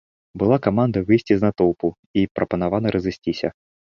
Была каманда выйсці з натоўпу і прапанавана разысціся.